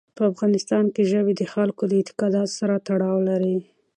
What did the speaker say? په افغانستان کې ژبې د خلکو د اعتقاداتو سره تړاو لري.